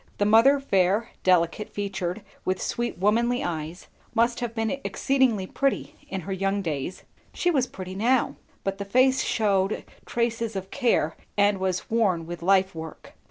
The mother fair, delicate featured, with sweet womanly eyes, must have been exceedingly pretty in her young days; she was pretty now; but the face shewed traces of care and was worn with life work.